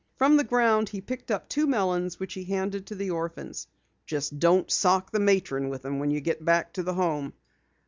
From the ground he picked up two melons which he handed to the orphans. "Just don't sock the matron with them when you get back to the Home!"